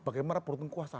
bagaimana peruntung kuasa